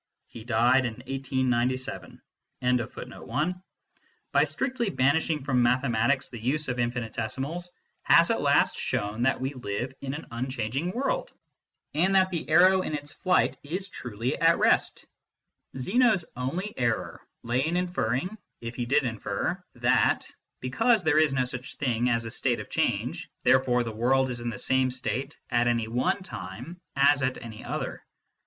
He died in 1897. MATHEMATICS AND METAPHYSICIANS 81 banishing from mathematics the use of infinitesimals, has at last shown that we live in an unchanging world, and that the arrow in its flight is truly at rest. Zeno s only error lay in inferring (if he did infer) that, because there is no such thing as a state of change, therefore the world is in the same state at any one time as at any other.